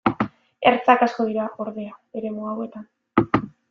Ertzak asko dira, ordea, eremu hauetan.